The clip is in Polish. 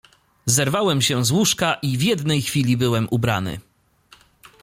"Zerwałem się z łóżka i w jednej chwili byłem ubrany."